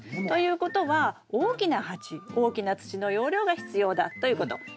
ということは大きな鉢大きな土の容量が必要だということ。